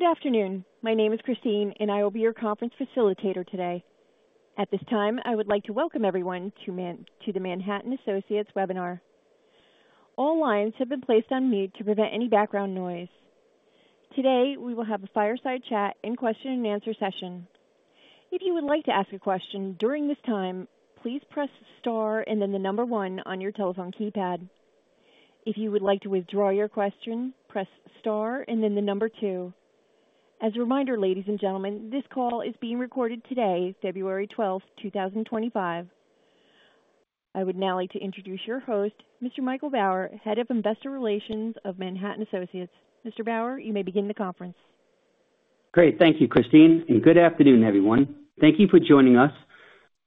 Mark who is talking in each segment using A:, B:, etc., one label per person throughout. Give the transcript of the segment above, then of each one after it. A: Good afternoon. My name is Christine, and I will be your conference facilitator today. At this time, I would like to welcome everyone to the Manhattan Associates webinar. All lines have been placed on mute to prevent any background noise. Today, we will have a fireside chat and question-and-answer session. If you would like to ask a question during this time, please press star and then the number one on your telephone keypad. If you would like to withdraw your question, press star and then the number two. As a reminder, ladies and gentlemen, this call is being recorded today, February 12th, 2025. I would now like to introduce your host, Mr. Michael Bauer, Head of Investor Relations of Manhattan Associates. Mr. Bauer, you may begin the conference.
B: Great. Thank you, Christine. And good afternoon, everyone. Thank you for joining us.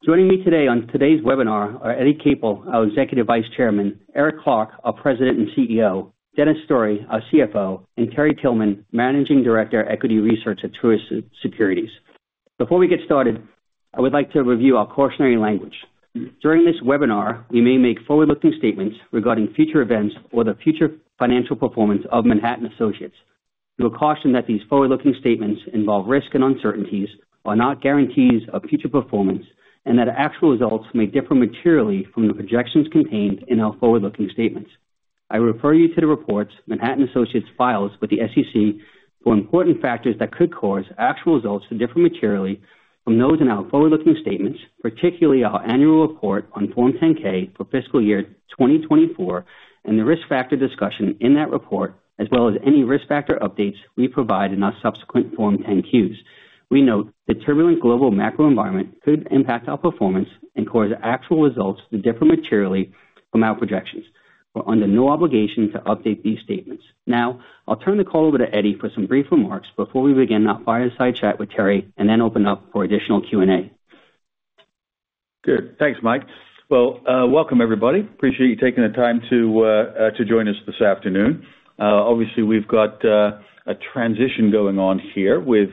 B: Joining me today on today's webinar are Eddie Capel, our Executive Vice Chairman, Eric Clark, our President and CEO, Dennis Story, our CFO, and Terry Tillman, Managing Director, Equity Research at Truist Securities. Before we get started, I would like to review our cautionary language. During this webinar, we may make forward-looking statements regarding future events or the future financial performance of Manhattan Associates. We will caution that these forward-looking statements involve risk and uncertainties, are not guarantees of future performance, and that actual results may differ materially from the projections contained in our forward-looking statements. I refer you to the reports Manhattan Associates files with the SEC for important factors that could cause actual results to differ materially from those in our forward-looking statements, particularly our annual report on Form 10-K for fiscal year 2024 and the risk factor discussion in that report, as well as any risk factor updates we provide in our subsequent Form 10-Qs. We note the turbulent global macro environment could impact our performance and cause actual results to differ materially from our projections. We're under no obligation to update these statements. Now, I'll turn the call over to Eddie for some brief remarks before we begin our fireside chat with Terry and then open up for additional Q&A.
C: Good. Thanks, Mike. Well, welcome, everybody. Appreciate you taking the time to join us this afternoon. Obviously, we've got a transition going on here with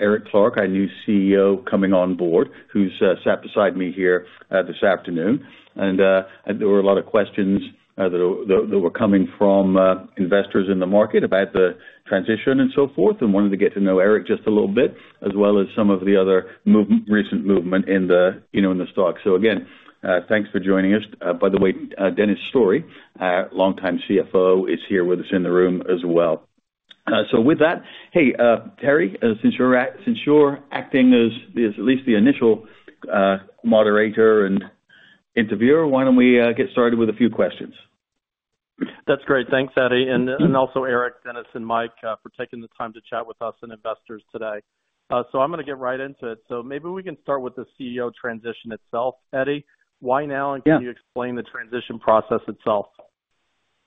C: Eric Clark, our new CEO, coming on board, who's sat beside me here this afternoon. There were a lot of questions that were coming from investors in the market about the transition and so forth, and wanted to get to know Eric just a little bit, as well as some of the other recent movement in the stock. So again, thanks for joining us. By the way, Dennis Story, longtime CFO, is here with us in the room as well. So with that, hey, Terry, since you're acting as at least the initial moderator and interviewer, why don't we get started with a few questions?
D: That's great. Thanks, Eddie. And also, Eric, Dennis, and Mike for taking the time to chat with us and investors today. So I'm going to get right into it. So maybe we can start with the CEO transition itself, Eddie. Why now, and can you explain the transition process itself?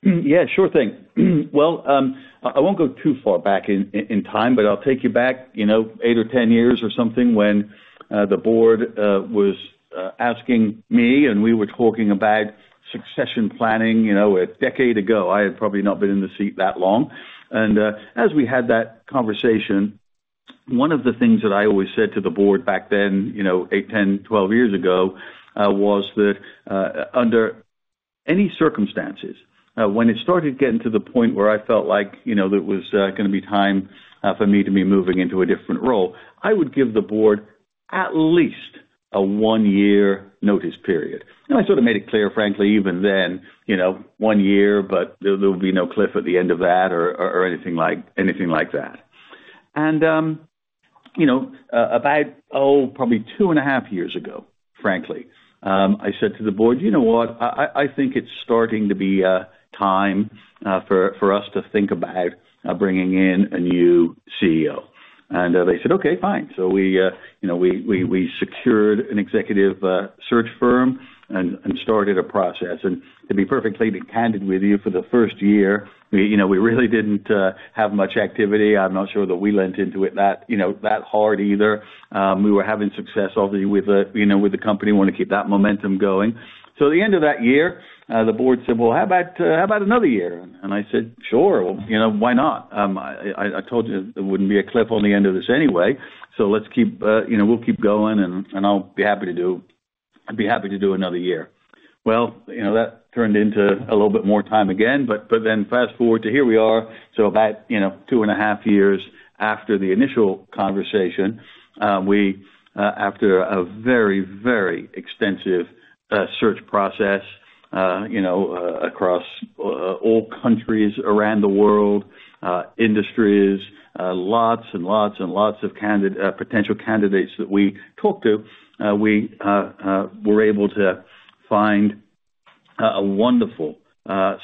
C: Yeah, sure thing. I won't go too far back in time, but I'll take you back eight or ten years or something when the board was asking me, and we were talking about succession planning a decade ago. I had probably not been in the seat that long. As we had that conversation, one of the things that I always said to the board back then, eight, ten, twelve years ago, was that under any circumstances, when it started getting to the point where I felt like it was going to be time for me to be moving into a different role, I would give the board at least a one-year notice period. I sort of made it clear, frankly, even then, one year, but there will be no cliff at the end of that or anything like that. About, oh, probably two and a half years ago, frankly, I said to the board, "You know what? I think it's starting to be time for us to think about bringing in a new CEO." And they said, "Okay, fine." So we secured an executive search firm and started a process. And to be perfectly candid with you, for the first year, we really didn't have much activity. I'm not sure that we leaned into it that hard either. We were having success already with the company. We wanted to keep that momentum going. So at the end of that year, the board said, "Well, how about another year?" And I said, "Sure. Why not? I told you there wouldn't be a cliff on the end of this anyway. We'll keep going, and I'd be happy to do another year." That turned into a little bit more time again, but then fast forward to here we are. About two and a half years after the initial conversation, we, after a very, very extensive search process across all countries around the world, industries, lots and lots and lots of potential candidates that we talked to, were able to find a wonderful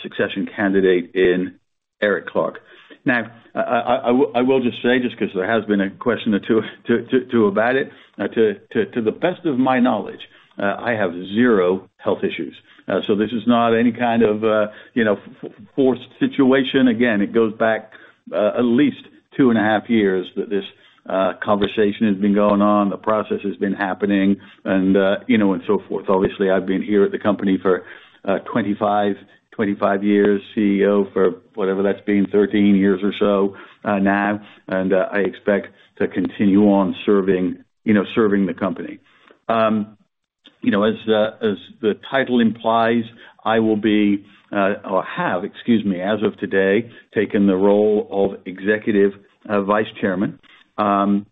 C: succession candidate in Eric Clark. Now, I will just say, just because there has been a question or two about it, to the best of my knowledge, I have zero health issues. This is not any kind of forced situation. Again, it goes back at least two and a half years that this conversation has been going on, the process has been happening, and so forth. Obviously, I've been here at the company for 25 years, CEO for whatever that's been, 13 years or so now, and I expect to continue on serving the company. As the title implies, I will be—or have, excuse me, as of today, taken the role of Executive Vice Chairman, and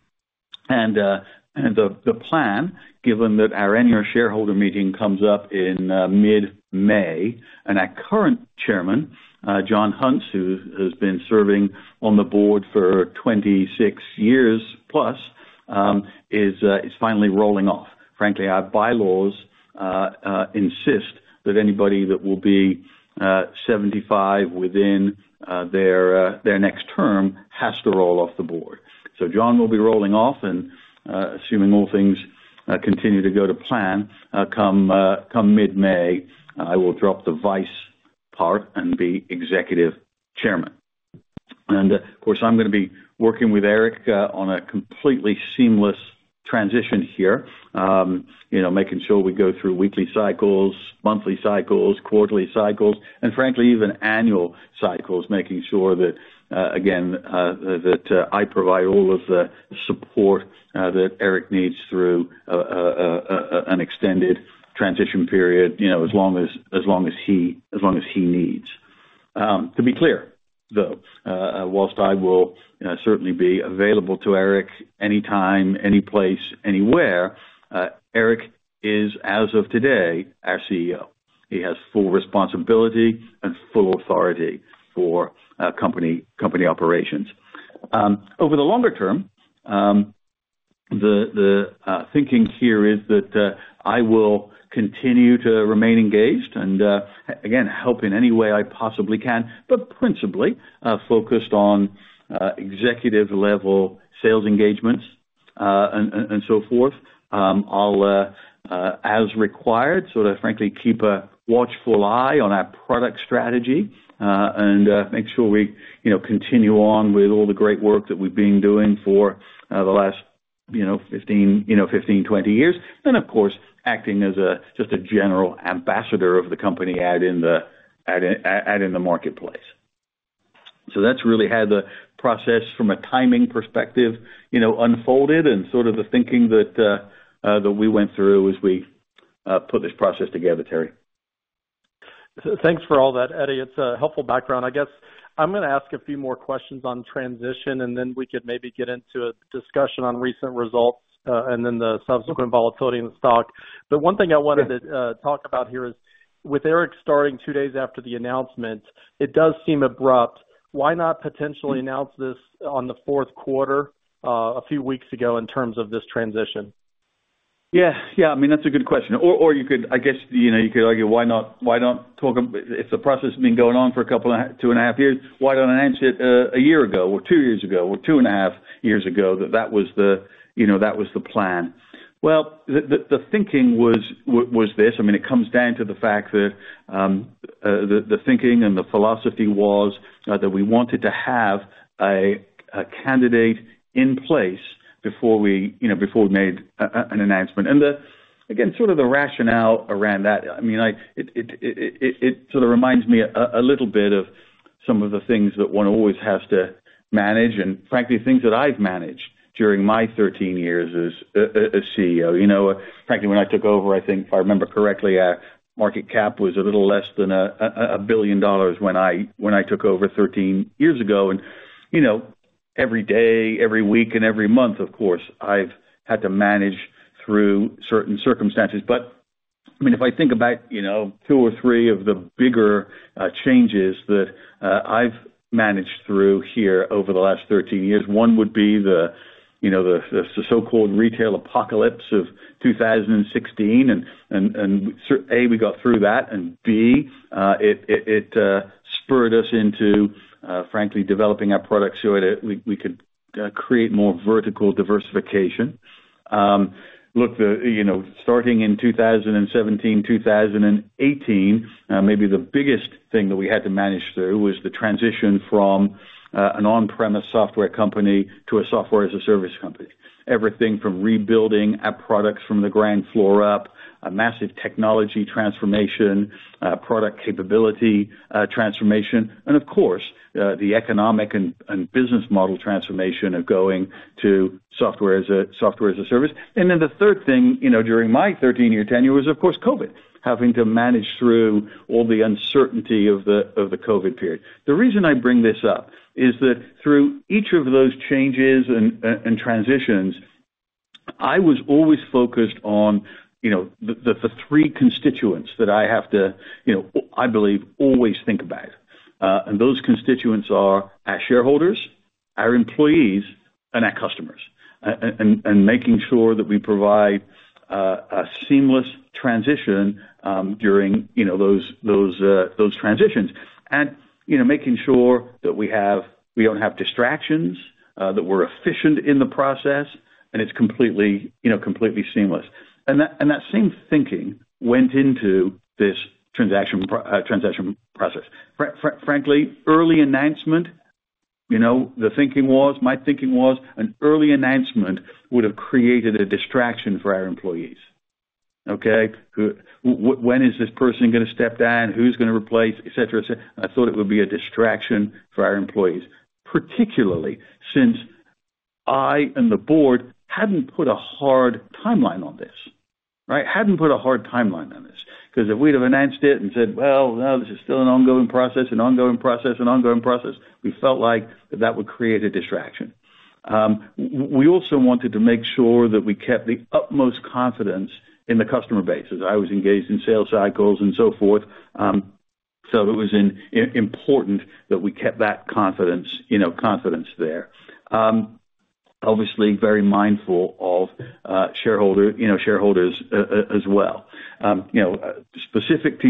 C: the plan, given that our annual shareholder meeting comes up in mid-May, and our current chairman, John Huntz, who has been serving on the board for 26 years plus, is finally rolling off. Frankly, our bylaws insist that anybody that will be 75 within their next term has to roll off the board, so John will be rolling off, and assuming all things continue to go to plan, come mid-May, I will drop the vice part and be Executive Chairman. And of course, I'm going to be working with Eric on a completely seamless transition here, making sure we go through weekly cycles, monthly cycles, quarterly cycles, and frankly, even annual cycles, making sure that, again, that I provide all of the support that Eric needs through an extended transition period as long as he needs. To be clear, though, while I will certainly be available to Eric anytime, any place, anywhere, Eric is, as of today, our CEO. He has full responsibility and full authority for company operations. Over the longer term, the thinking here is that I will continue to remain engaged and, again, help in any way I possibly can, but principally focused on executive-level sales engagements and so forth. I'll, as required, sort of frankly, keep a watchful eye on our product strategy and make sure we continue on with all the great work that we've been doing for the last 15, 20 years, and of course, acting as just a general ambassador of the company out in the marketplace, so that's really how the process, from a timing perspective, unfolded and sort of the thinking that we went through as we put this process together, Terry.
D: Thanks for all that, Eddie. It's a helpful background. I guess I'm going to ask a few more questions on transition, and then we could maybe get into a discussion on recent results and then the subsequent volatility in the stock. But one thing I wanted to talk about here is, with Eric starting two days after the announcement, it does seem abrupt. Why not potentially announce this on the fourth quarter a few weeks ago in terms of this transition?
C: Yeah. Yeah. I mean, that's a good question. Or you could, I guess, you could argue, why not talk? If the process has been going on for two and a half years, why don't I announce it a year ago or two years ago or two and a half years ago that that was the plan? Well, the thinking was this. I mean, it comes down to the fact that the thinking and the philosophy was that we wanted to have a candidate in place before we made an announcement. And again, sort of the rationale around that, I mean, it sort of reminds me a little bit of some of the things that one always has to manage. And frankly, things that I've managed during my 13 years as CEO. Frankly, when I took over, I think, if I remember correctly, our market cap was a little less than $1 billion when I took over 13 years ago, and every day, every week, and every month, of course, I've had to manage through certain circumstances, but I mean, if I think about two or three of the bigger changes that I've managed through here over the last 13 years, one would be the so-called retail apocalypse of 2016, and A, we got through that, and B, it spurred us into, frankly, developing our product so that we could create more vertical diversification. Look, starting in 2017, 2018, maybe the biggest thing that we had to manage through was the transition from an on-premise software company to a software-as-a-service company. Everything from rebuilding our products from the ground floor up, a massive technology transformation, product capability transformation, and of course, the economic and business model transformation of going to software-as-a-service. And then the third thing during my 13-year tenure was, of course, COVID, having to manage through all the uncertainty of the COVID period. The reason I bring this up is that through each of those changes and transitions, I was always focused on the three constituents that I have to, I believe, always think about. And those constituents are our shareholders, our employees, and our customers, and making sure that we provide a seamless transition during those transitions, and making sure that we don't have distractions, that we're efficient in the process, and it's completely seamless. And that same thinking went into this transaction process. Frankly, early announcement, the thinking was, my thinking was, an early announcement would have created a distraction for our employees. Okay? When is this person going to step down? Who's going to replace? etc. I thought it would be a distraction for our employees, particularly since I and the board hadn't put a hard timeline on this, right? Hadn't put a hard timeline on this. Because if we'd have announced it and said, "Well, no, this is still an ongoing process, an ongoing process, an ongoing process," we felt like that would create a distraction. We also wanted to make sure that we kept the utmost confidence in the customer base. As I was engaged in sales cycles and so forth, so it was important that we kept that confidence there. Obviously, very mindful of shareholders as well. Specific to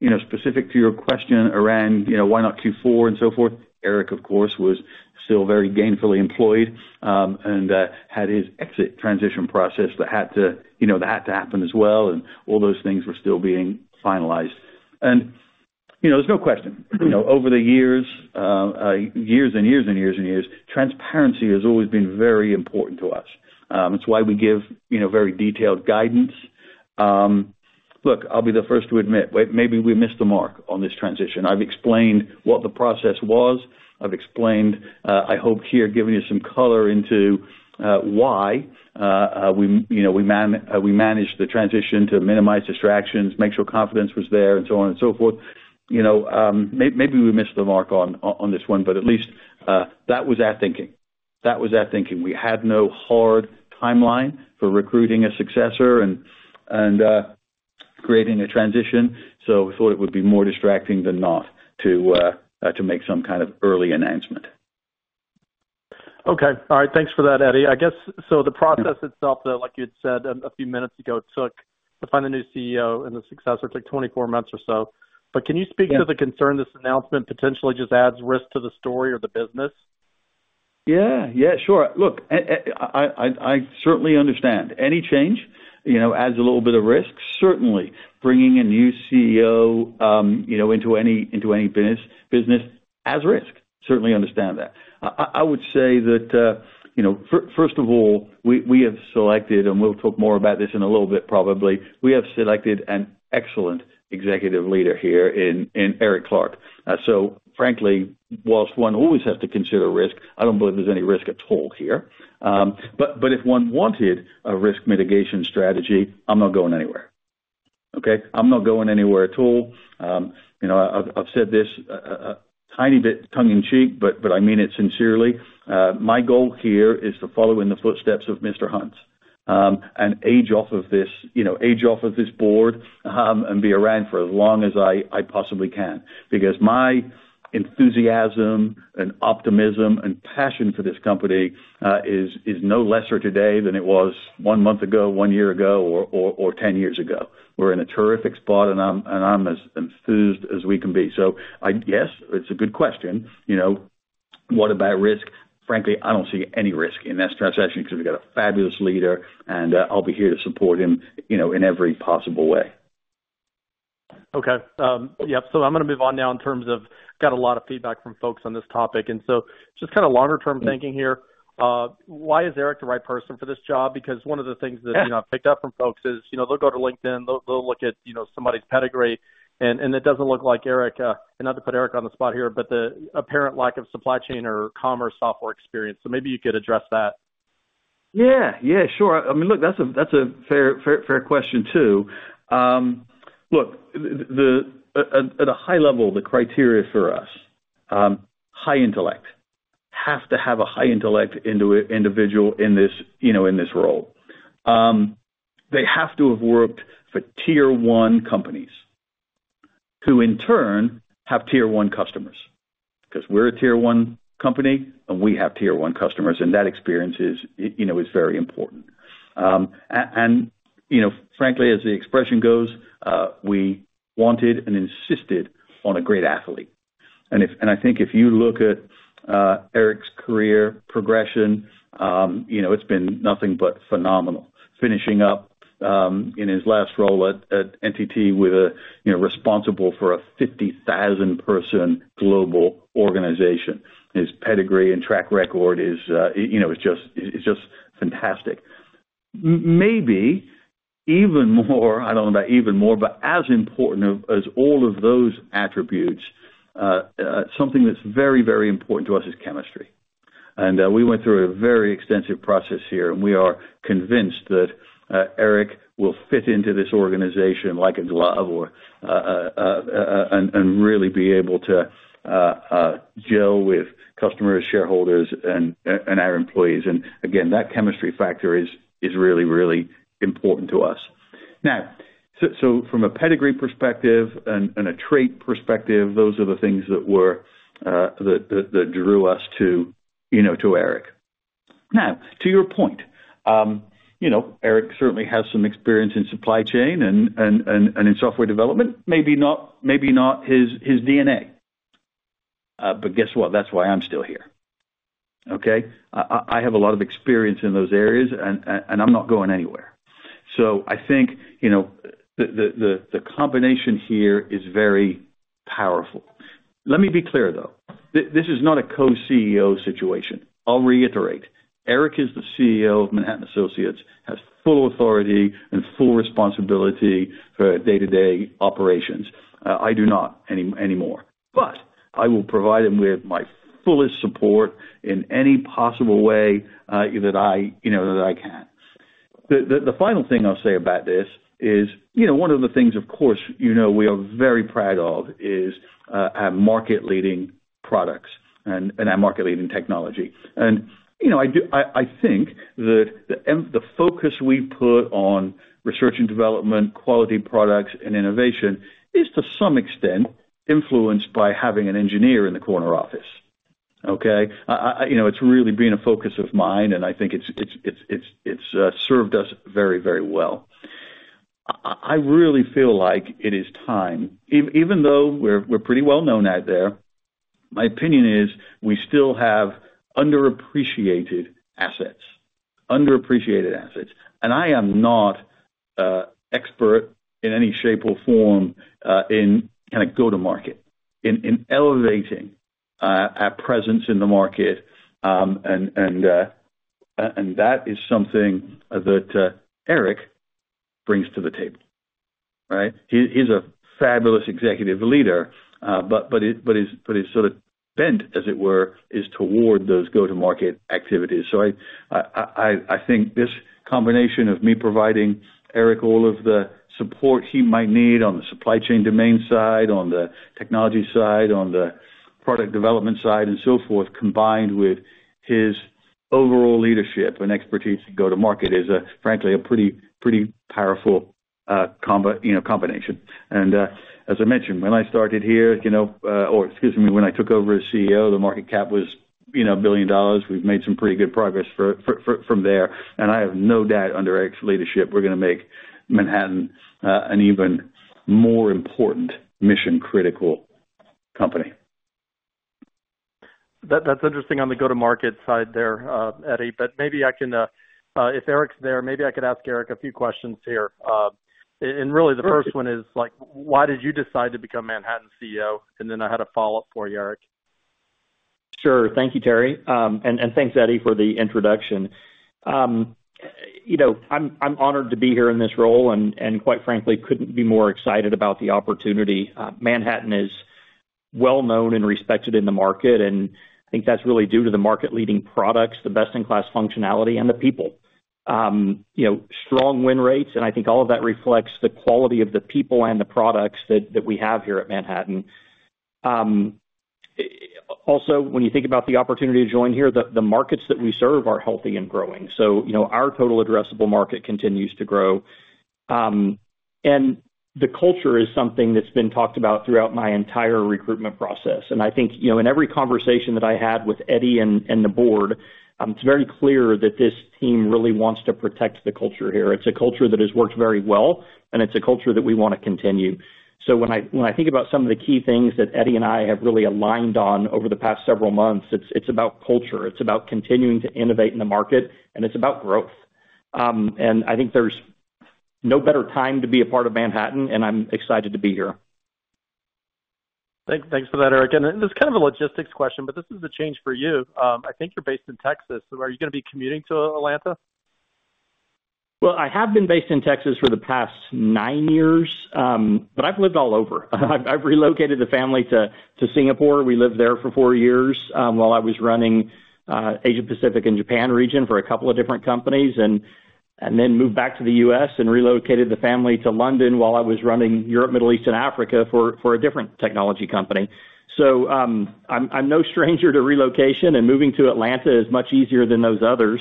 C: your question around why not Q4 and so forth, Eric, of course, was still very gainfully employed and had his exit transition process that had to happen as well, and all those things were still being finalized, and there's no question. Over the years, years and years and years and years, transparency has always been very important to us. It's why we give very detailed guidance. Look, I'll be the first to admit, maybe we missed the mark on this transition. I've explained what the process was. I've explained, I hope here, given you some color into why we managed the transition to minimize distractions, make sure confidence was there, and so on and so forth. Maybe we missed the mark on this one, but at least that was our thinking. That was our thinking. We had no hard timeline for recruiting a successor and creating a transition. So we thought it would be more distracting than not to make some kind of early announcement.
D: Okay. All right. Thanks for that, Eddie. I guess, so the process itself, like you had said a few minutes ago, it took to find the new CEO and the successor took 24 months or so. But can you speak to the concern this announcement potentially just adds risk to the story or the business?
C: Yeah. Yeah, sure. Look, I certainly understand. Any change adds a little bit of risk. Certainly, bringing a new CEO into any business adds risk. Certainly understand that. I would say that, first of all, we have selected, and we'll talk more about this in a little bit, probably, we have selected an excellent executive leader here in Eric Clark. So frankly, whilst one always has to consider risk, I don't believe there's any risk at all here. But if one wanted a risk mitigation strategy, I'm not going anywhere. Okay? I'm not going anywhere at all. I've said this a tiny bit tongue-in-cheek, but I mean it sincerely. My goal here is to follow in the footsteps of Mr. Huntz and age off of this board and be around for as long as I possibly can. Because my enthusiasm and optimism and passion for this company is no lesser today than it was one month ago, one year ago, or 10 years ago. We're in a terrific spot, and I'm as enthused as we can be. So I guess it's a good question. What about risk? Frankly, I don't see any risk in that transition because we've got a fabulous leader, and I'll be here to support him in every possible way.
D: Okay. Yep. So I'm going to move on now in terms of got a lot of feedback from folks on this topic. And so just kind of longer-term thinking here. Why is Eric the right person for this job? Because one of the things that I've picked up from folks is they'll go to LinkedIn, they'll look at somebody's pedigree, and it doesn't look like Eric, and not to put Eric on the spot here, but the apparent lack of supply chain or commerce software experience. So maybe you could address that.
C: Yeah. Yeah, sure. I mean, look, that's a fair question too. Look, at a high level, the criteria for us, high intellect, have to have a high intellect individual in this role. They have to have worked for Tier 1 companies who, in turn, have Tier 1 customers. Because we're a Tier 1 company, and we have Tier 1 customers, and that experience is very important. And frankly, as the expression goes, we wanted and insisted on a great athlete. And I think if you look at Eric's career progression, it's been nothing but phenomenal. Finishing up in his last role at NTT, he was responsible for a 50,000-person global organization. His pedigree and track record is just fantastic. Maybe even more. I don't know about even more. But as important as all of those attributes, something that's very, very important to us is chemistry. And we went through a very extensive process here, and we are convinced that Eric will fit into this organization like a glove and really be able to gel with customers, shareholders, and our employees. And again, that chemistry factor is really, really important to us. Now, so from a pedigree perspective and a trait perspective, those are the things that drew us to Eric. Now, to your point, Eric certainly has some experience in supply chain and in software development, maybe not his DNA. But guess what? That's why I'm still here. Okay? I have a lot of experience in those areas, and I'm not going anywhere. So I think the combination here is very powerful. Let me be clear, though. This is not a co-CEO situation. I'll reiterate. Eric is the CEO of Manhattan Associates, has full authority and full responsibility for day-to-day operations. I do not anymore. But I will provide him with my fullest support in any possible way that I can. The final thing I'll say about this is one of the things, of course, we are very proud of is our market-leading products and our market-leading technology. And I think that the focus we put on research and development, quality products, and innovation is to some extent influenced by having an engineer in the corner office. Okay? It's really been a focus of mine, and I think it's served us very, very well. I really feel like it is time, even though we're pretty well known out there, my opinion is we still have underappreciated assets. Underappreciated assets. And I am not an expert in any shape or form in kind of go-to-market, in elevating our presence in the market. And that is something that Eric brings to the table. Right? He's a fabulous executive leader, but his sort of bent, as it were, is toward those go-to-market activities. So I think this combination of me providing Eric all of the support he might need on the supply chain domain side, on the technology side, on the product development side, and so forth, combined with his overall leadership and expertise in go-to-market is, frankly, a pretty powerful combination. And as I mentioned, when I started here, or excuse me, when I took over as CEO, the market cap was $1 billion. We've made some pretty good progress from there. And I have no doubt under Eric's leadership, we're going to make Manhattan an even more important mission-critical company.
D: That's interesting on the go-to-market side there, Eddie. But maybe I can, if Eric's there, maybe I could ask Eric a few questions here. And really, the first one is, why did you decide to become Manhattan CEO? And then I had a follow-up for you, Eric.
E: Sure. Thank you, Terry, and thanks, Eddie, for the introduction. I'm honored to be here in this role and, quite frankly, couldn't be more excited about the opportunity. Manhattan is well-known and respected in the market, and I think that's really due to the market-leading products, the best-in-class functionality, and the people. Strong win rates, and I think all of that reflects the quality of the people and the products that we have here at Manhattan. Also, when you think about the opportunity to join here, the markets that we serve are healthy and growing, so our total addressable market continues to grow, and the culture is something that's been talked about throughout my entire recruitment process, and I think in every conversation that I had with Eddie and the board, it's very clear that this team really wants to protect the culture here. It's a culture that has worked very well, and it's a culture that we want to continue. So when I think about some of the key things that Eddie and I have really aligned on over the past several months, it's about culture. It's about continuing to innovate in the market, and it's about growth. And I think there's no better time to be a part of Manhattan, and I'm excited to be here.
D: Thanks for that, Eric. And this is kind of a logistics question, but this is a change for you. I think you're based in Texas. Are you going to be commuting to Atlanta?
E: I have been based in Texas for the past nine years, but I've lived all over. I've relocated the family to Singapore. We lived there for four years while I was running the Asia-Pacific and Japan region for a couple of different companies, and then moved back to the U.S. and relocated the family to London while I was running Europe, Middle East, and Africa for a different technology company. I'm no stranger to relocation, and moving to Atlanta is much easier than those others.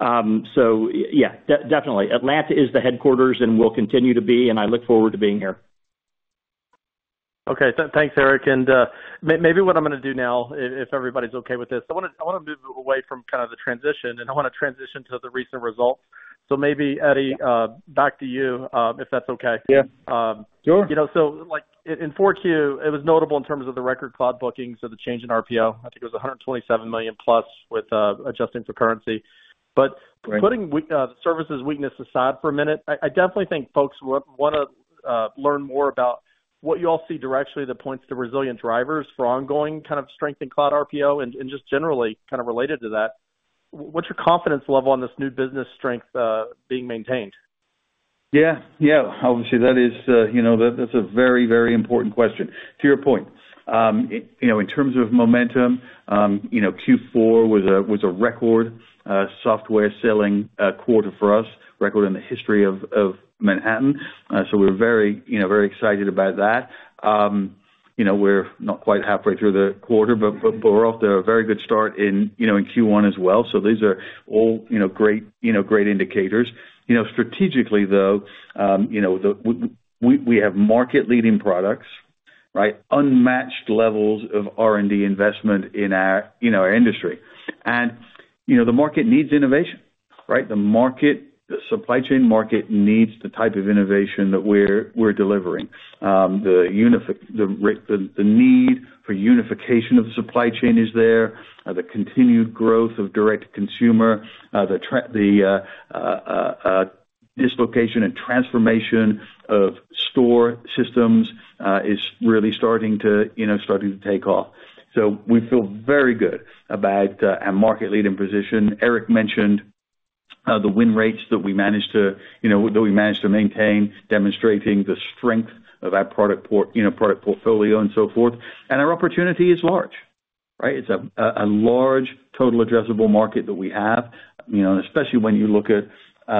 E: Yeah, definitely. Atlanta is the headquarters and will continue to be, and I look forward to being here.
D: Okay. Thanks, Eric. And maybe what I'm going to do now, if everybody's okay with this, I want to move away from kind of the transition, and I want to transition to the recent results. So maybe, Eddie, back to you if that's okay.
C: Yeah. Sure.
D: So in 4Q, it was notable in terms of the record cloud bookings or the change in RPO. I think it was $127 million+ with adjusting for currency. But putting the services weakness aside for a minute, I definitely think folks want to learn more about what you all see directly that points to resilient drivers for ongoing kind of strength in cloud RPO and just generally kind of related to that. What's your confidence level on this new business strength being maintained?
C: Yeah. Yeah. Obviously, that is a very, very important question. To your point, in terms of momentum, Q4 was a record software selling quarter for us, record in the history of Manhattan. So we're very, very excited about that. We're not quite halfway through the quarter, but we're off to a very good start in Q1 as well. So these are all great indicators. Strategically, though, we have market-leading products, right? Unmatched levels of R&D investment in our industry, and the market needs innovation, right? The supply chain market needs the type of innovation that we're delivering. The need for unification of the supply chain is there. The continued growth of direct consumer, the dislocation and transformation of store systems is really starting to take off. So we feel very good about our market-leading position. Eric mentioned the win rates that we managed to maintain, demonstrating the strength of our product portfolio and so forth. And our opportunity is large, right? It's a large total addressable market that we have, especially when you look at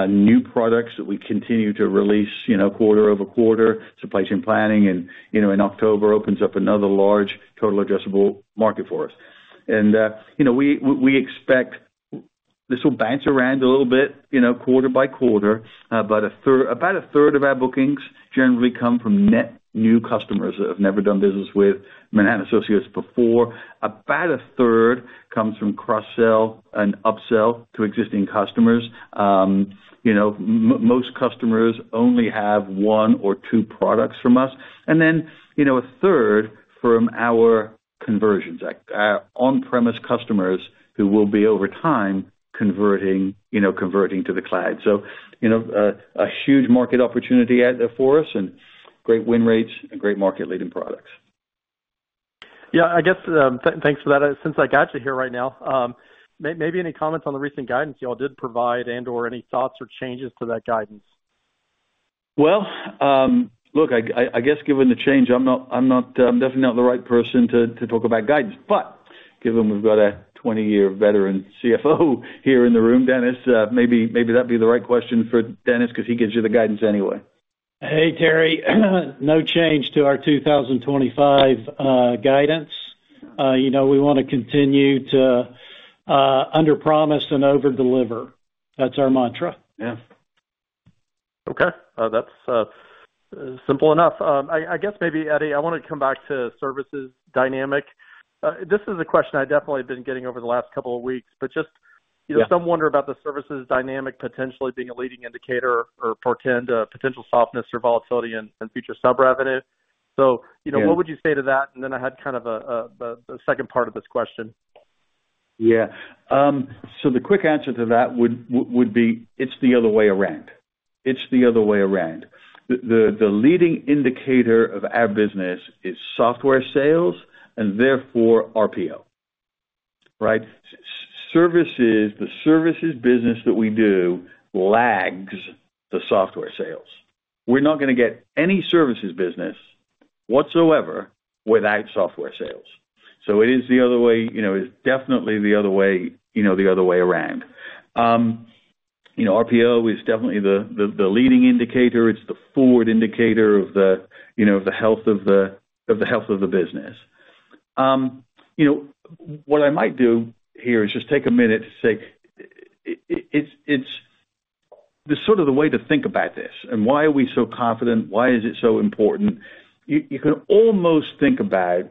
C: new products that we continue to release quarter-over-quarter. Supply Chain Planning in October opens up another large total addressable market for us. And we expect this will bounce around a little bit quarter by quarter, but about a third of our bookings generally come from net new customers that have never done business with Manhattan Associates before. About a third comes from cross-sell and upsell to existing customers. Most customers only have one or two products from us. And then a third from our conversions, our on-premise customers who will be, over time, converting to the cloud. So a huge market opportunity for us and great win rates and great market-leading products.
D: Yeah. I guess thanks for that. Since I got you here right now, maybe any comments on the recent guidance you all did provide and/or any thoughts or changes to that guidance?
C: Look, I guess given the change, I'm definitely not the right person to talk about guidance, but given we've got a 20-year veteran CFO here in the room, Dennis, maybe that'd be the right question for Dennis because he gives you the guidance anyway.
F: Hey, Terry. No change to our 2025 guidance. We want to continue to underpromise and overdeliver. That's our mantra.
C: Yeah.
D: Okay. That's simple enough. I guess maybe, Eddie, I want to come back to services dynamic. This is a question I definitely have been getting over the last couple of weeks, but just some wonder about the services dynamic potentially being a leading indicator or portend potential softness or volatility in future sub-revenue. So what would you say to that? And then I had kind of the second part of this question.
C: Yeah. So the quick answer to that would be, it's the other way around. It's the other way around. The leading indicator of our business is software sales and therefore RPO, right? The services business that we do lags the software sales. We're not going to get any services business whatsoever without software sales. So it is the other way. It's definitely the other way around. RPO is definitely the leading indicator. It's the forward indicator of the health of the business. What I might do here is just take a minute to say it's sort of the way to think about this, and why are we so confident? Why is it so important? You can almost think about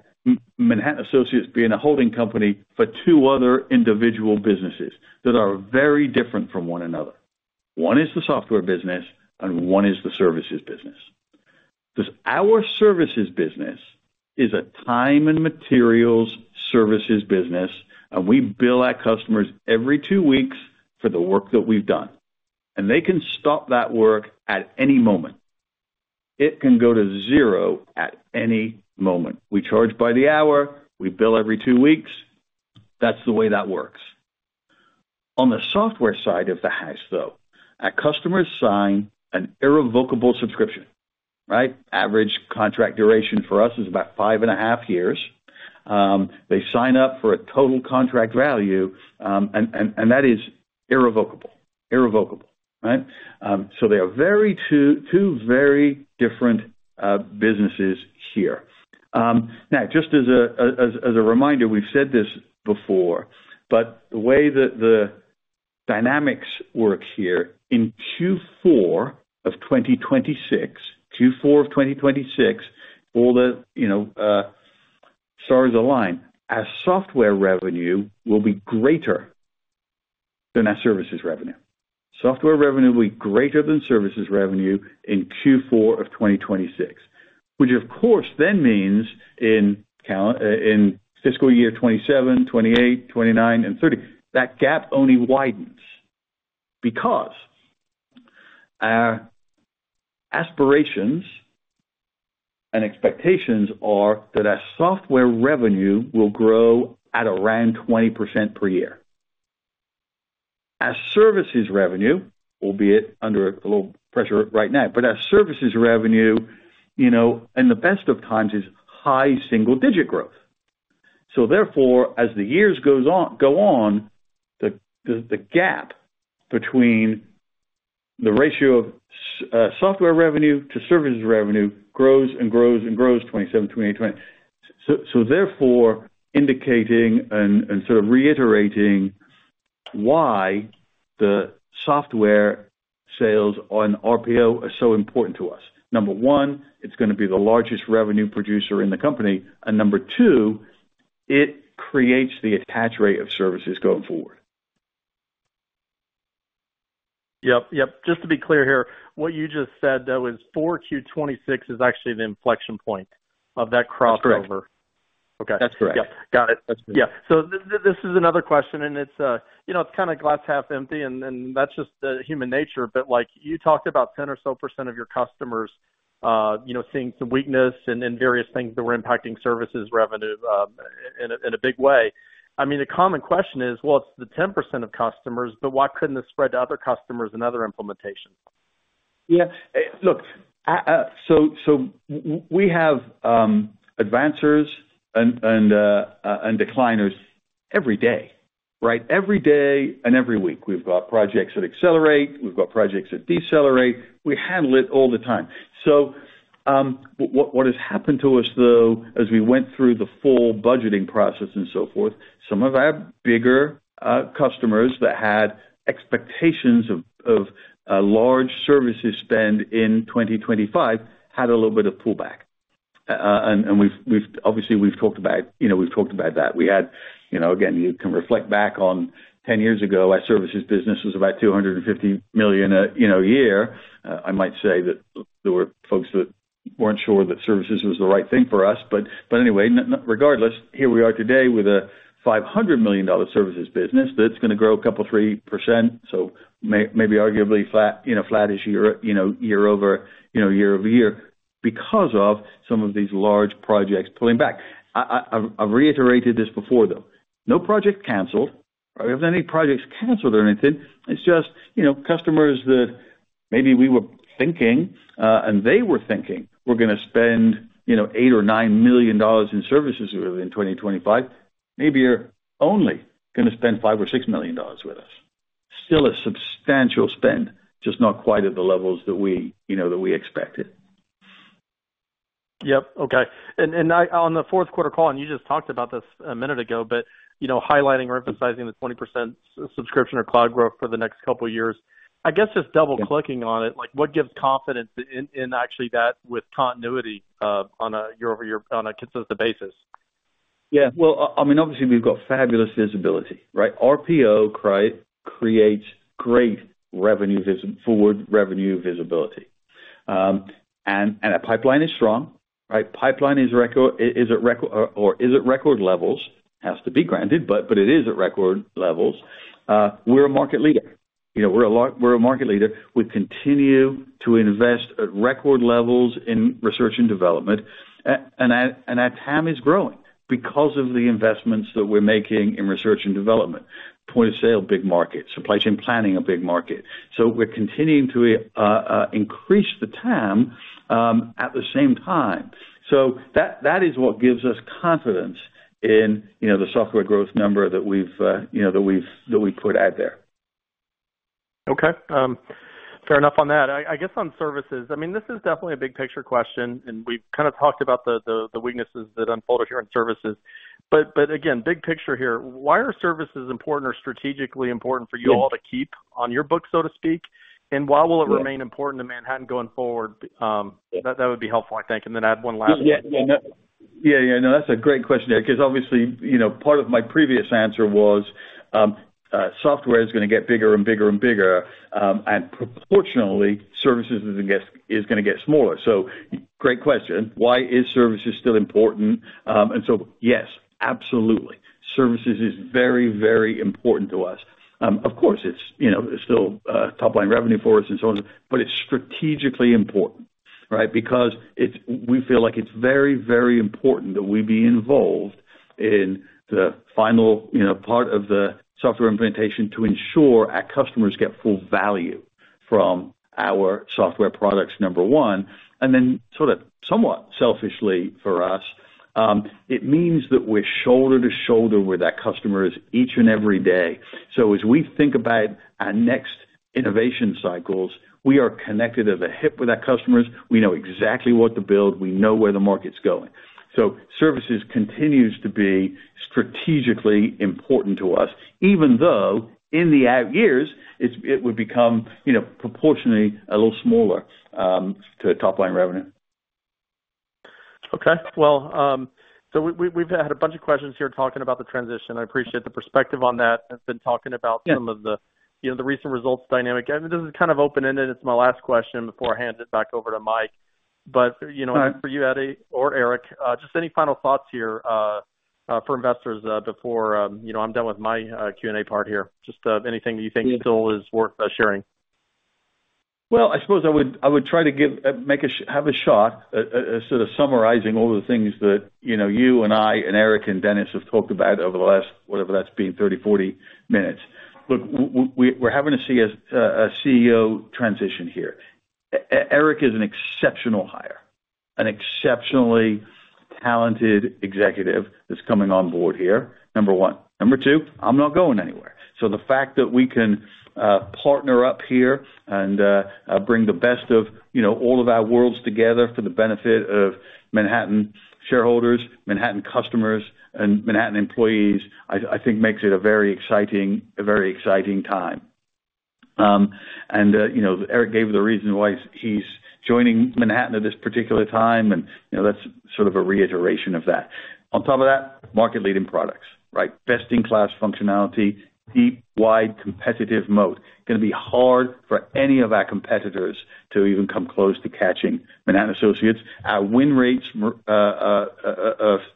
C: Manhattan Associates being a holding company for two other individual businesses that are very different from one another. One is the software business, and one is the services business. Our services business is a time and materials services business, and we bill our customers every two weeks for the work that we've done. And they can stop that work at any moment. It can go to zero at any moment. We charge by the hour. We bill every two weeks. That's the way that works. On the software side of the house, though, our customers sign an irrevocable subscription, right? Average contract duration for us is about five and a half years. They sign up for a total contract value, and that is irrevocable. Irrevocable, right? So they are two very different businesses here. Now, just as a reminder, we've said this before, but the way the dynamics work here, in Q4 of 2026, Q4 of 2026, all the stars align, our software revenue will be greater than our services revenue. Software revenue will be greater than services revenue in Q4 of 2026, which, of course, then means in fiscal year 2027, 2028, 2029, and 2030, that gap only widens because our aspirations and expectations are that our software revenue will grow at around 20% per year. Our services revenue, albeit under a little pressure right now, but our services revenue in the best of times is high single-digit growth. So therefore, as the years go on, the gap between the ratio of software revenue to services revenue grows and grows and grows 2027, 2028, 2029. So therefore, indicating and sort of reiterating why the software sales on RPO are so important to us. Number one, it's going to be the largest revenue producer in the company. And number two, it creates the attach rate of services going forward.
D: Yep. Yep. Just to be clear here, what you just said, though, is 4Q 26 is actually the inflection point of that crossover.
C: That's correct.
D: Okay.
C: That's correct.
D: Yep. Got it. Yeah. So this is another question, and it's kind of glass half empty, and that's just human nature. But you talked about 10 or so percentage of your customers seeing some weakness and various things that were impacting services revenue in a big way. I mean, the common question is, well, it's the 10% of customers, but why couldn't this spread to other customers and other implementations?
C: Yeah. Look, so we have advancers and decliners every day, right? Every day and every week, we've got projects that accelerate. We've got projects that decelerate. We handle it all the time. So what has happened to us, though, as we went through the full budgeting process and so forth, some of our bigger customers that had expectations of large services spend in 2025 had a little bit of pullback. And obviously, we've talked about that. We had, again, you can reflect back on 10 years ago, our services business was about $250 million a year. I might say that there were folks that weren't sure that services was the right thing for us. But anyway, regardless, here we are today with a $500 million services business that's going to grow a couple of 3%, so maybe arguably flat year-over-year because of some of these large projects pulling back. I've reiterated this before, though. No project canceled, right? We haven't had any projects canceled or anything. It's just customers that maybe we were thinking, and they were thinking, "We're going to spend $8 million or $9 million in services within 2025." Maybe you're only going to spend $5 million or $6 million with us. Still a substantial spend, just not quite at the levels that we expected.
D: Yep. Okay. And on the fourth quarter call, and you just talked about this a minute ago, but highlighting or emphasizing the 20% subscription or cloud growth for the next couple of years, I guess just double-clicking on it, what gives confidence in actually that with continuity on a year-over-year on a consistent basis?
C: Yeah. Well, I mean, obviously, we've got fabulous visibility, right? RPO creates great revenue forward revenue visibility. And our pipeline is strong, right? Pipeline is at record or is at record levels, has to be granted, but it is at record levels. We're a market leader. We're a market leader. We continue to invest at record levels in research and development. And our TAM is growing because of the investments that we're making in research and development. Point of Sale, big market. Supply Chain Planning, a big market. So we're continuing to increase the TAM at the same time. So that is what gives us confidence in the software growth number that we've put out there.
D: Okay. Fair enough on that. I guess on services, I mean, this is definitely a big picture question, and we've kind of talked about the weaknesses that unfolded here in services. But again, big picture here, why are services important or strategically important for you all to keep on your book, so to speak? And why will it remain important to Manhattan going forward? That would be helpful, I think, and then add one last one.
C: Yeah. Yeah. No, that's a great question there because obviously, part of my previous answer was software is going to get bigger and bigger and bigger, and proportionally, services is going to get smaller. So great question. Why is services still important? And so yes, absolutely. Services is very, very important to us. Of course, it's still top-line revenue for us and so on, but it's strategically important, right? Because we feel like it's very, very important that we be involved in the final part of the software implementation to ensure our customers get full value from our software products, number one. And then sort of somewhat selfishly for us, it means that we're shoulder to shoulder with our customers each and every day. So as we think about our next innovation cycles, we are connected at the hip with our customers. We know exactly what to build. We know where the market's going. So services continues to be strategically important to us, even though in the out years, it would become proportionally a little smaller to top-line revenue.
D: Okay. Well, so we've had a bunch of questions here talking about the transition. I appreciate the perspective on that. I've been talking about some of the recent results dynamic. And this is kind of open-ended. It's my last question before I hand it back over to Mike. But for you, Eddie or Eric, just any final thoughts here for investors before I'm done with my Q&A part here? Just anything you think still is worth sharing.
C: I suppose I would try to have a shot sort of summarizing all the things that you and I and Eric and Dennis have talked about over the last, whatever that's been, 30, 40 minutes. Look, we're having to see a CEO transition here. Eric is an exceptional hire, an exceptionally talented executive that's coming on board here, number one. Number two, I'm not going anywhere. So the fact that we can partner up here and bring the best of all of our worlds together for the benefit of Manhattan shareholders, Manhattan customers, and Manhattan employees, I think makes it a very exciting time. And Eric gave the reason why he's joining Manhattan at this particular time, and that's sort of a reiteration of that. On top of that, market-leading products, right? Best-in-class functionality, deep, wide, competitive moat. Going to be hard for any of our competitors to even come close to catching Manhattan Associates. Our win rates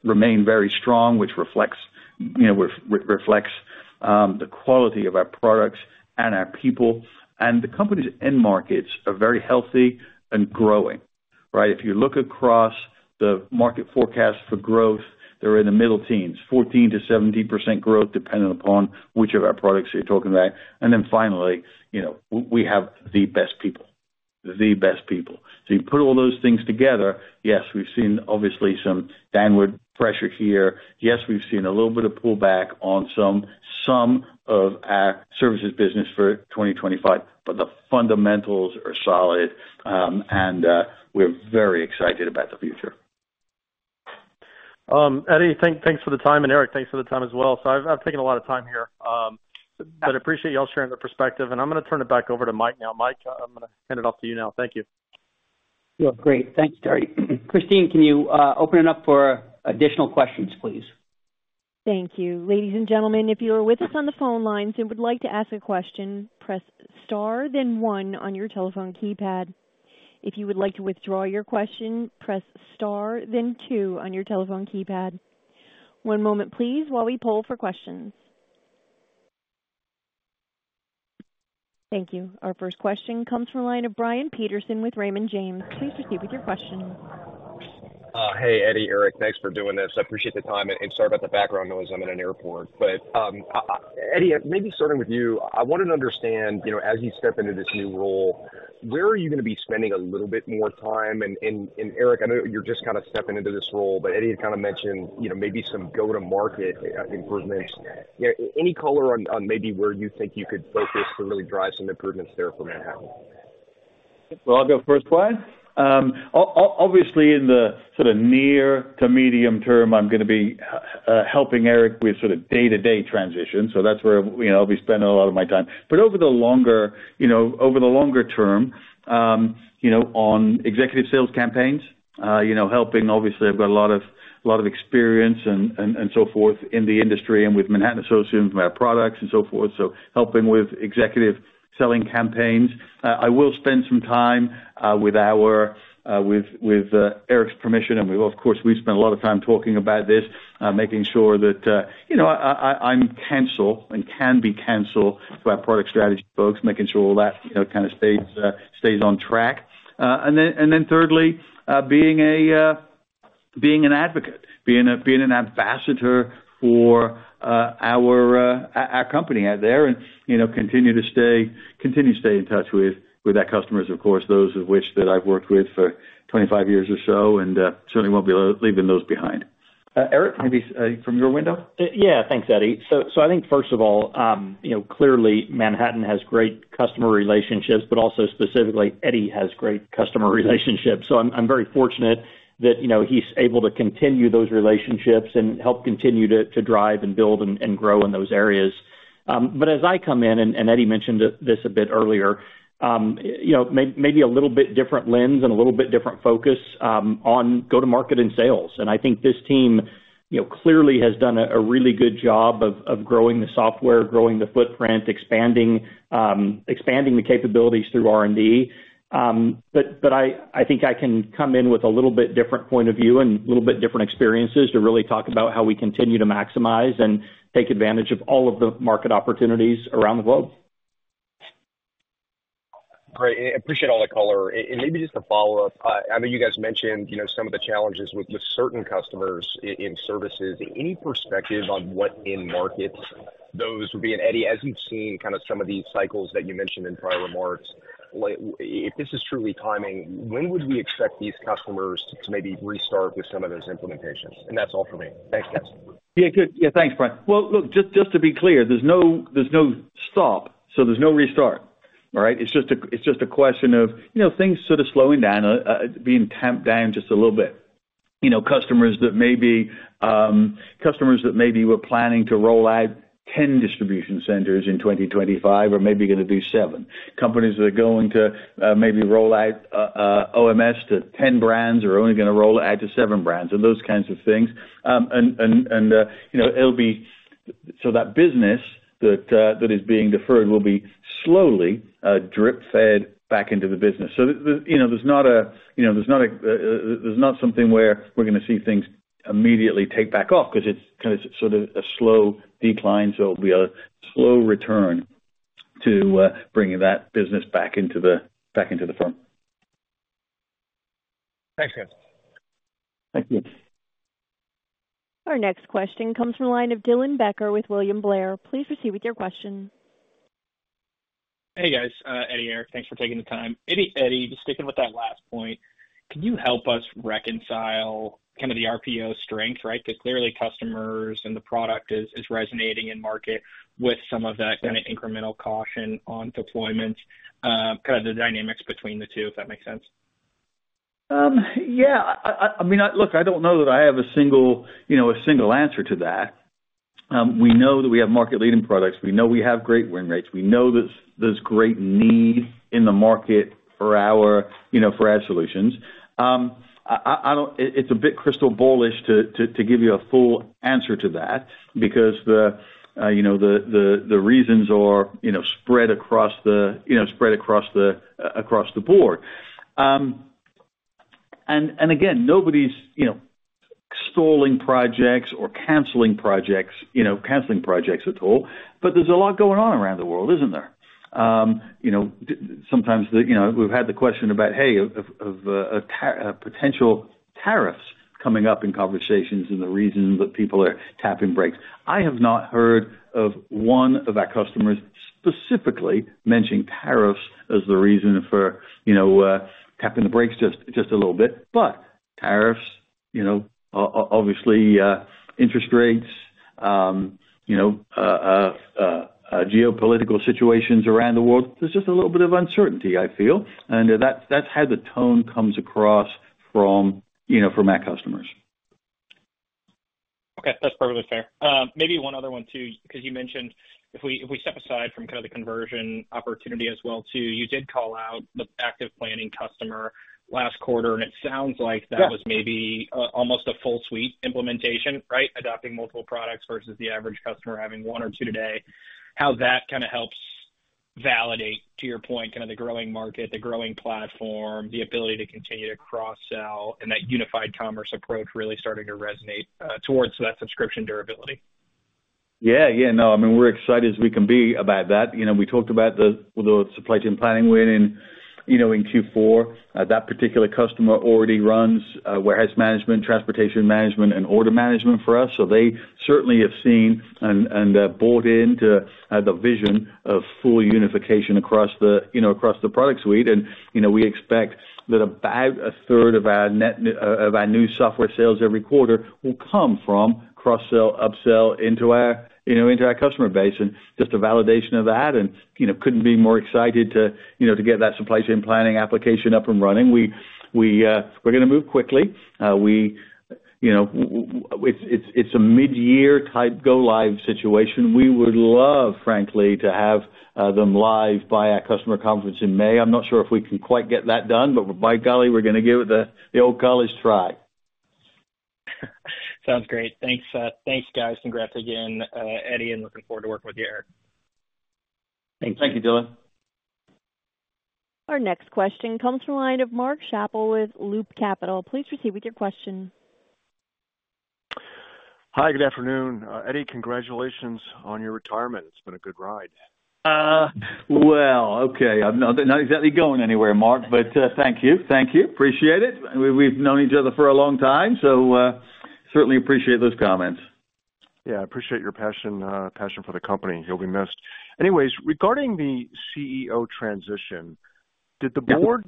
C: remain very strong, which reflects the quality of our products and our people. And the company's end markets are very healthy and growing, right? If you look across the market forecast for growth, they're in the middle teens, 14%-17% growth depending upon which of our products you're talking about. And then finally, we have the best people. The best people. So you put all those things together, yes, we've seen obviously some downward pressure here. Yes, we've seen a little bit of pullback on some of our services business for 2025, but the fundamentals are solid, and we're very excited about the future.
D: Eddie, thanks for the time. And Eric, thanks for the time as well. So I've taken a lot of time here, but appreciate y'all sharing the perspective. And I'm going to turn it back over to Mike now. Mike, I'm going to hand it off to you now. Thank you.
A: Yeah. Great. Thanks, Terry. Christine, can you open it up for additional questions, please? Thank you. Ladies and gentlemen, if you are with us on the phone lines and would like to ask a question, press Star, then 1 on your telephone keypad. If you would like to withdraw your question, press Star, then 2 on your telephone keypad. One moment, please, while we poll for questions. Thank you. Our first question comes from a line of Brian Peterson with Raymond James. Please proceed with your question.
G: Hey, Eddie, Eric, thanks for doing this. I appreciate the time. And sorry about the background noise. I'm in an airport. But Eddie, maybe starting with you, I wanted to understand as you step into this new role, where are you going to be spending a little bit more time? And Eric, I know you're just kind of stepping into this role, but Eddie had kind of mentioned maybe some go-to-market improvements. Any color on maybe where you think you could focus to really drive some improvements there for Manhattan?
C: I'll go first, why? Obviously, in the sort of near to medium term, I'm going to be helping Eric with sort of day-to-day transition, so that's where I'll be spending a lot of my time, but over the longer term, on executive sales campaigns, helping, obviously, I've got a lot of experience and so forth in the industry and with Manhattan Associates and our products and so forth, so helping with executive selling campaigns. I will spend some time with Eric's permission, and of course, we've spent a lot of time talking about this, making sure that I'm counsel and can be consulted by our product strategy folks, making sure all that kind of stays on track. And then thirdly, being an advocate, being an ambassador for our company out there and continue to stay in touch with our customers, of course, those of which that I've worked with for 25 years or so, and certainly won't be leaving those behind. Eric, maybe from your window?
E: Yeah. Thanks, Eddie. So I think, first of all, clearly, Manhattan has great customer relationships, but also specifically, Eddie has great customer relationships. So I'm very fortunate that he's able to continue those relationships and help continue to drive and build and grow in those areas. But as I come in, and Eddie mentioned this a bit earlier, maybe a little bit different lens and a little bit different focus on go-to-market and sales. And I think this team clearly has done a really good job of growing the software, growing the footprint, expanding the capabilities through R&D. But I think I can come in with a little bit different point of view and a little bit different experiences to really talk about how we continue to maximize and take advantage of all of the market opportunities around the globe.
G: Great. I appreciate all the color. And maybe just a follow-up. I know you guys mentioned some of the challenges with certain customers in services. Any perspective on what end markets those would be? And Eddie, as you've seen kind of some of these cycles that you mentioned in prior remarks, if this is truly timing, when would we expect these customers to maybe restart with some of those implementations? And that's all for me. Thanks, guys.
C: Yeah. Good. Yeah. Thanks, Brian. Well, look, just to be clear, there's no stop, so there's no restart, all right? It's just a question of things sort of slowing down, being tamped down just a little bit. Customers that maybe were planning to roll out 10 distribution centers in 2025 are maybe going to do 7. Companies that are going to maybe roll out OMS to 10 brands are only going to roll out to 7 brands and those kinds of things. And it'll be so that business that is being deferred will be slowly drip-fed back into the business. So there's not something where we're going to see things immediately take back off because it's kind of sort of a slow decline. So it'll be a slow return to bringing that business back into the firm.
G: Thanks, guys.
C: Thank you.
A: Our next question comes from a line of Dylan Becker with William Blair. Please proceed with your question.
H: Hey, guys. Eddie here. Thanks for taking the time. Eddie, just sticking with that last point, can you help us reconcile kind of the RPO strength, right? Because clearly, customers and the product is resonating in market with some of that kind of incremental caution on deployments, kind of the dynamics between the two, if that makes sense.
C: Yeah. I mean, look, I don't know that I have a single answer to that. We know that we have market-leading products. We know we have great win rates. We know that there's great need in the market for our solutions. It's a bit crystal ballish to give you a full answer to that because the reasons are spread across the board. And again, nobody's stalling projects or canceling projects at all, but there's a lot going on around the world, isn't there? Sometimes we've had the question about, hey, of potential tariffs coming up in conversations and the reason that people are tapping brakes. I have not heard of one of our customers specifically mentioning tariffs as the reason for tapping the brakes just a little bit. But tariffs, obviously, interest rates, geopolitical situations around the world, there's just a little bit of uncertainty, I feel. That's how the tone comes across from our customers.
H: Okay. That's perfectly fair. Maybe one other one too because you mentioned if we step aside from kind of the conversion opportunity as well too, you did call out the active planning customer last quarter, and it sounds like that was maybe almost a full-suite implementation, right? Adopting multiple products versus the average customer having one or two today, how that kind of helps validate, to your point, kind of the growing market, the growing platform, the ability to continue to cross-sell, and that unified commerce approach really starting to resonate towards that subscription durability.
C: Yeah. Yeah. No, I mean, we're excited as we can be about that. We talked about the Supply Chain Planning win in Q4. That particular customer already runs warehouse management, transportation management, and order management for us. So they certainly have seen and bought into the vision of full unification across the product suite. And we expect that about a third of our new software sales every quarter will come from cross-sell, upsell into our customer base. And just a validation of that, and couldn't be more excited to get that Supply Chain Planning application up and running. We're going to move quickly. It's a mid-year type go-live situation. We would love, frankly, to have them live by our customer conference in May. I'm not sure if we can quite get that done, but by golly, we're going to give it the old college try.
H: Sounds great. Thanks, guys. Congrats again, Eddie, and looking forward to working with you, Eric.
C: Thank you, Dylan.
A: Our next question comes from a line of Mark Schappel with Loop Capital. Please proceed with your question.
I: Hi, good afternoon. Eddie, congratulations on your retirement. It's been a good ride.
C: Okay. I'm not exactly going anywhere, Mark, but thank you. Thank you. Appreciate it. We've known each other for a long time, so certainly appreciate those comments.
I: Yeah. I appreciate your passion for the company. You'll be missed. Anyways, regarding the CEO transition, did the board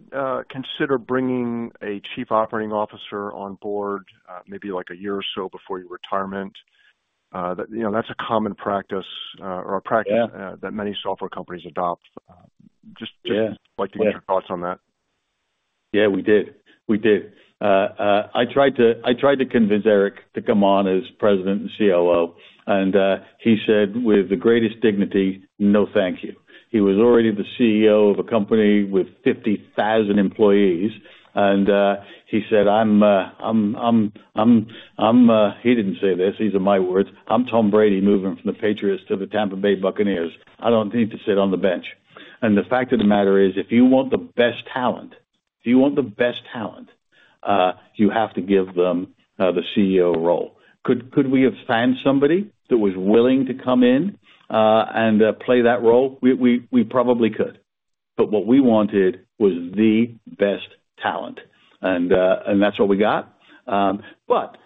I: consider bringing a chief operating officer on board maybe like a year or so before your retirement? That's a common practice or a practice that many software companies adopt. Just like to get your thoughts on that.
C: Yeah. We did. We did. I tried to convince Eric to come on as president and COO, and he said with the greatest dignity, "No, thank you." He was already the CEO of a company with 50,000 employees, and he said, "I'm", he didn't say this. These are my words. "I'm Tom Brady moving from the Patriots to the Tampa Bay Buccaneers. I don't need to sit on the bench." And the fact of the matter is, if you want the best talent, if you want the best talent, you have to give them the CEO role. Could we have found somebody that was willing to come in and play that role? We probably could. But what we wanted was the best talent, and that's what we got. But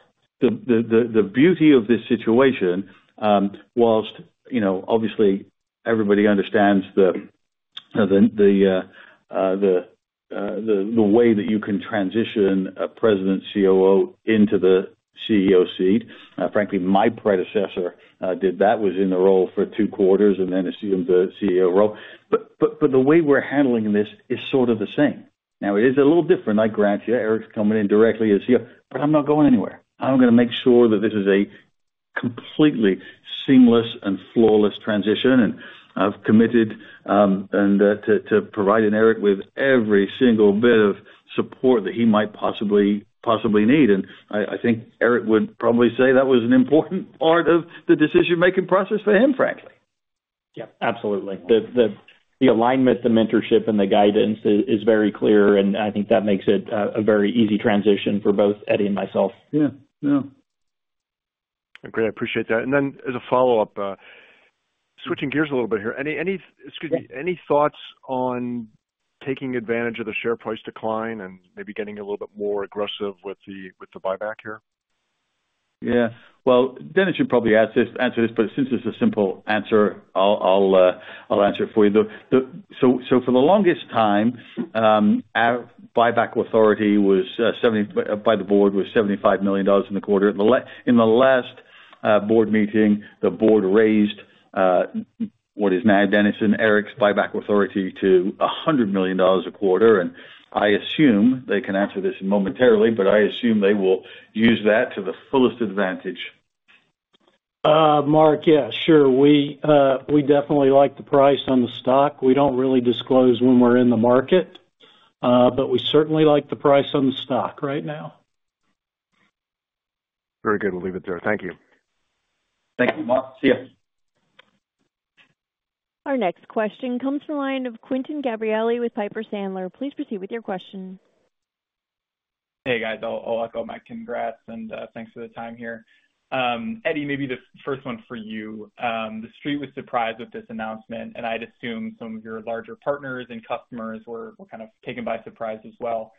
C: the beauty of this situation was, obviously, everybody understands the way that you can transition a President and COO into the CEO seat. Frankly, my predecessor did that, was in the role for two quarters and then assumed the CEO role. But the way we're handling this is sort of the same. Now, it is a little different, I grant you. Eric's coming in directly as CEO, but I'm not going anywhere. I'm going to make sure that this is a completely seamless and flawless transition, and I've committed to providing Eric with every single bit of support that he might possibly need. And I think Eric would probably say that was an important part of the decision-making process for him, frankly.
E: Yeah. Absolutely. The alignment, the mentorship, and the guidance is very clear, and I think that makes it a very easy transition for both Eddie and myself.
I: Yeah. Yeah. Great. I appreciate that, and then as a follow-up, switching gears a little bit here. Excuse me, any thoughts on taking advantage of the share price decline and maybe getting a little bit more aggressive with the buyback here?
C: Yeah. Well, Dennis should probably answer this, but since it's a simple answer, I'll answer it for you. So for the longest time, our buyback authority by the board was $75 million in the quarter. In the last board meeting, the board raised what is now Dennis and Eric's buyback authority to $100 million a quarter. And I assume they can answer this momentarily, but I assume they will use that to the fullest advantage.
F: Mark, yeah, sure. We definitely like the price on the stock. We don't really disclose when we're in the market, but we certainly like the price on the stock right now.
I: Very good. We'll leave it there. Thank you.
C: Thank you, Mark. See you.
A: Our next question comes from a line of Quinton Gabrielli with Piper Sandler. Please proceed with your question.
J: Hey, guys. Oh, I'll echo back. Congrats and thanks for the time here. Eddie, maybe the first one for you. The Street was surprised with this announcement, and I'd assume some of your larger partners and customers were kind of taken by surprise as well.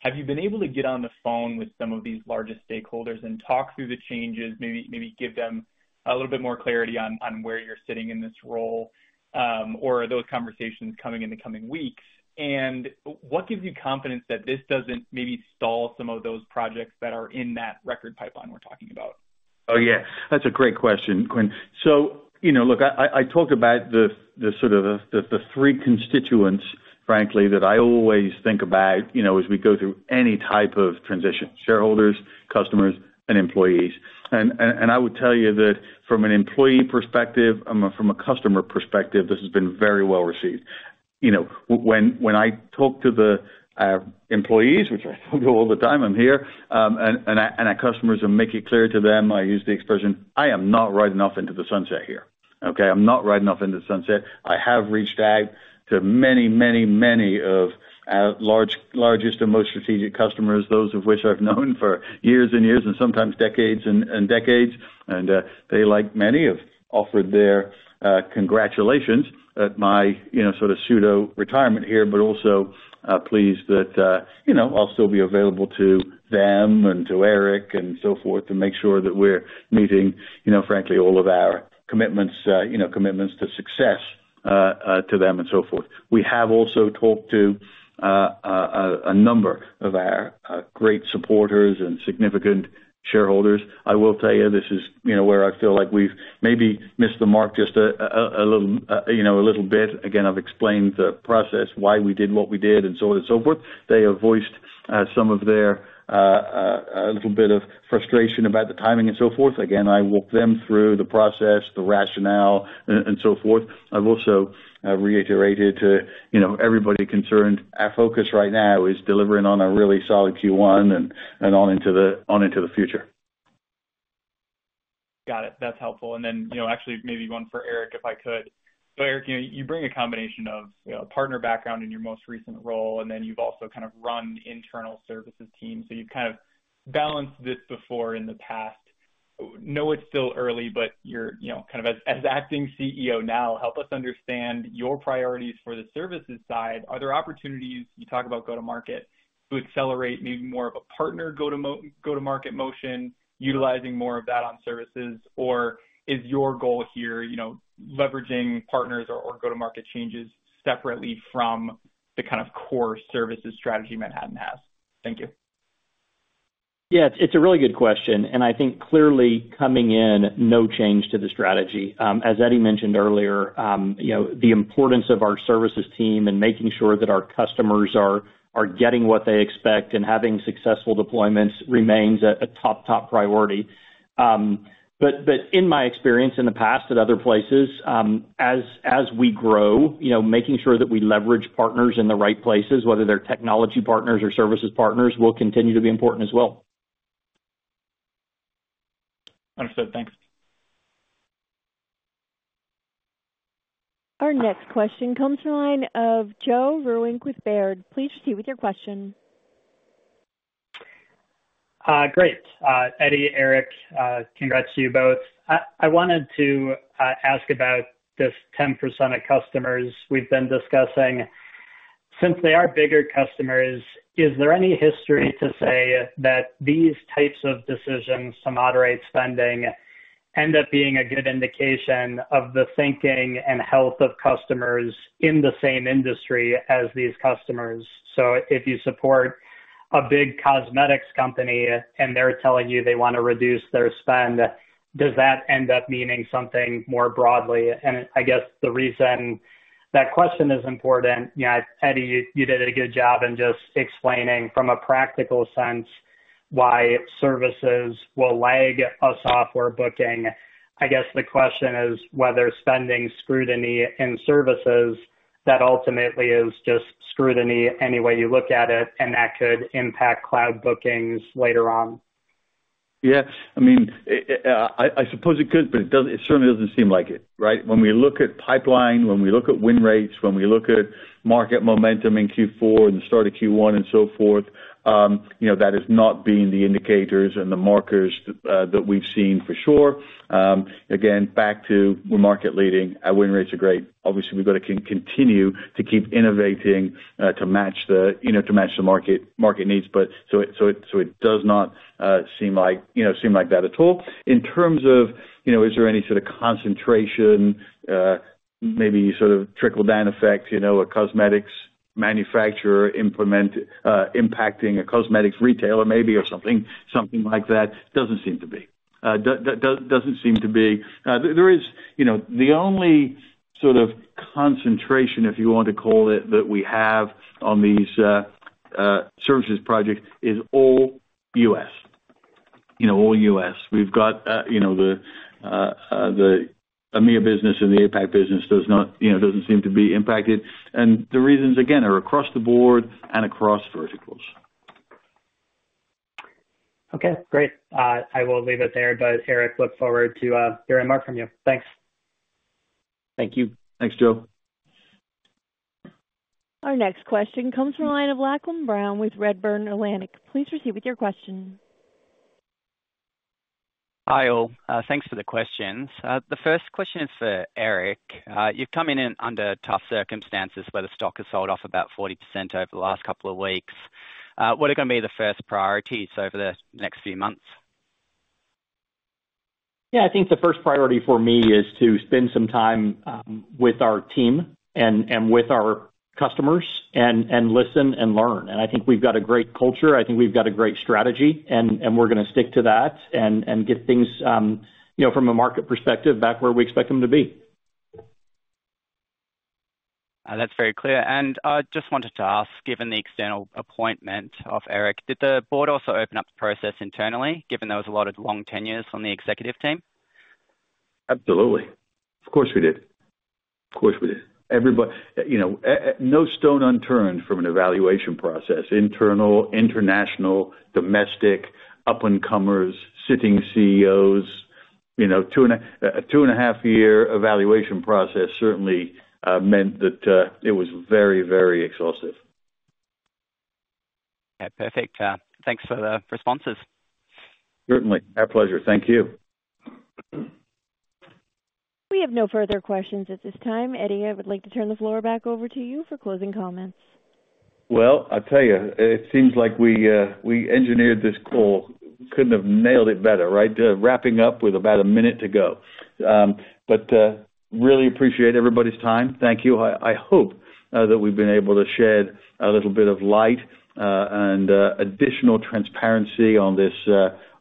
J: Have you been able to get on the phone with some of these largest stakeholders and talk through the changes, maybe give them a little bit more clarity on where you're sitting in this role, or are those conversations coming in the coming weeks? And what gives you confidence that this doesn't maybe stall some of those projects that are in that record pipeline we're talking about?
C: Oh, yeah. That's a great question, Quin. So look, I talked about the sort of the three constituents, frankly, that I always think about as we go through any type of transition: shareholders, customers, and employees. And I would tell you that from an employee perspective and from a customer perspective, this has been very well received. When I talk to the employees, which I do all the time, I'm here, and our customers and make it clear to them, I use the expression, "I am not riding off into the sunset here," okay? I'm not riding off into the sunset. I have reached out to many, many, many of our largest and most strategic customers, those of which I've known for years and years and sometimes decades and decades. They, like many, have offered their congratulations at my sort of pseudo retirement here, but also pleased that I'll still be available to them and to Eric and so forth to make sure that we're meeting, frankly, all of our commitments to success to them and so forth. We have also talked to a number of our great supporters and significant shareholders. I will tell you, this is where I feel like we've maybe missed the mark just a little bit. Again, I've explained the process, why we did what we did, and so on and so forth. They have voiced some of their a little bit of frustration about the timing and so forth. Again, I walked them through the process, the rationale, and so forth. I've also reiterated to everybody concerned our focus right now is delivering on a really solid Q1 and on into the future.
J: Got it. That's helpful. And then actually maybe one for Eric, if I could. So Eric, you bring a combination of partner background in your most recent role, and then you've also kind of run internal services teams. So you've kind of balanced this before in the past. I know it's still early, but kind of as acting CEO now, help us understand your priorities for the services side. Are there opportunities? You talk about go-to-market to accelerate maybe more of a partner go-to-market motion, utilizing more of that on services, or is your goal here leveraging partners or go-to-market changes separately from the kind of core services strategy Manhattan has? Thank you.
E: Yeah. It's a really good question, and I think clearly coming in, no change to the strategy. As Eddie mentioned earlier, the importance of our services team and making sure that our customers are getting what they expect and having successful deployments remains a top, top priority, but in my experience in the past at other places, as we grow, making sure that we leverage partners in the right places, whether they're technology partners or services partners, will continue to be important as well.
J: Understood. Thanks.
A: Our next question comes from a line of Joe Vruwink with Baird. Please proceed with your question.
K: Great. Eddie, Eric, congrats to you both. I wanted to ask about this 10% of customers we've been discussing. Since they are bigger customers, is there any history to say that these types of decisions to moderate spending end up being a good indication of the thinking and health of customers in the same industry as these customers? So if you support a big cosmetics company and they're telling you they want to reduce their spend, does that end up meaning something more broadly? And I guess the reason that question is important, Eddie, you did a good job in just explaining from a practical sense why services will lag a software booking. I guess the question is whether spending scrutiny in services, that ultimately is just scrutiny any way you look at it, and that could impact cloud bookings later on.
C: Yeah. I mean, I suppose it could, but it certainly doesn't seem like it, right? When we look at pipeline, when we look at win rates, when we look at market momentum in Q4 and the start of Q1 and so forth, that has not been the indicators and the markers that we've seen for sure. Again, back to market leading, our win rates are great. Obviously, we've got to continue to keep innovating to match the market needs. So it does not seem like that at all. In terms of is there any sort of concentration, maybe sort of trickle-down effect, a cosmetics manufacturer impacting a cosmetics retailer maybe or something like that? Doesn't seem to be. Doesn't seem to be. There is the only sort of concentration, if you want to call it, that we have on these services projects is all U.S. All U.S. We've got the EMEA business and the APAC business doesn't seem to be impacted. And the reasons, again, are across the board and across verticals.
K: Okay. Great. I will leave it there, but Eric, look forward to hearing more from you. Thanks.
C: Thank you. Thanks, Joe.
A: Our next question comes from a line of Lachlan Brown with Redburn Atlantic. Please proceed with your question.
L: Hi, all. Thanks for the questions. The first question is for Eric. You've come in under tough circumstances where the stock has sold off about 40% over the last couple of weeks. What are going to be the first priorities over the next few months?
E: Yeah. I think the first priority for me is to spend some time with our team and with our customers and listen and learn. And I think we've got a great culture. I think we've got a great strategy, and we're going to stick to that and get things from a market perspective back where we expect them to be.
L: That's very clear, and I just wanted to ask, given the external appointment of Eric, did the board also open up the process internally, given there was a lot of long tenures on the executive team?
C: Absolutely. Of course we did. Of course we did. No stone unturned from an evaluation process. Internal, international, domestic, up-and-comers, sitting CEOs. Two and a half year evaluation process certainly meant that it was very, very exhaustive.
L: Yeah. Perfect. Thanks for the responses.
C: Certainly. Our pleasure. Thank you.
A: We have no further questions at this time. Eddie, I would like to turn the floor back over to you for closing comments.
C: I'll tell you, it seems like we engineered this call. We couldn't have nailed it better, right? Wrapping up with about a minute to go. But I really appreciate everybody's time. Thank you. I hope that we've been able to shed a little bit of light and additional transparency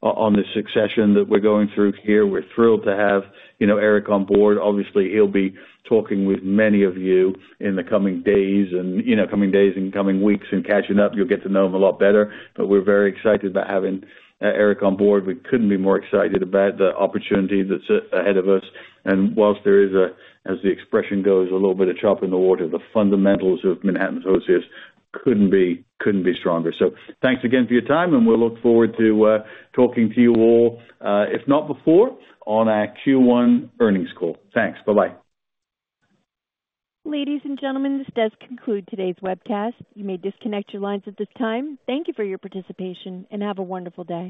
C: on this succession that we're going through here. We're thrilled to have Eric on board. Obviously, he'll be talking with many of you in the coming days and coming weeks and catching up. You'll get to know him a lot better. But we're very excited about having Eric on board. We couldn't be more excited about the opportunity that's ahead of us. While there is, as the expression goes, a little bit of choppy water, the fundamentals of Manhattan Associates couldn't be stronger. So thanks again for your time, and we'll look forward to talking to you all, if not before, on our Q1 earnings call. Thanks. Bye-bye.
A: Ladies and gentlemen, this does conclude today's webcast. You may disconnect your lines at this time. Thank you for your participation and have a wonderful day.